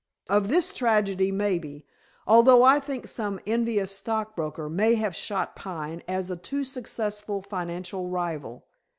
Of this tragedy maybe, although I think some envious stockbroker may have shot Pine as a too successful financial rival.